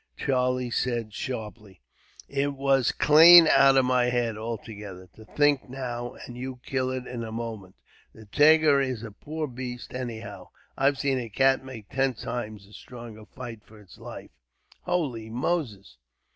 Charlie said sharply. "It went clane out of my head, altogether. To think now, and you kilt it in a moment. The tiger is a poor baste, anyhow. I've seen a cat make ten times as strong a fight for its life. "Holy Moses!"